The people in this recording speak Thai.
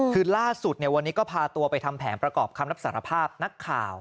คือล่าสุดวันนี้ก็พาตัวไปทำแผนประกอบคำรับสารภาพนักข่าว